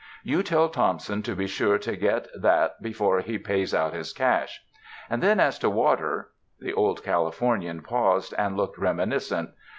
You tell Thompson to be sure to get that be fore he pays out his cash. And then as to water —" The Old Californian paused and looked remini scent.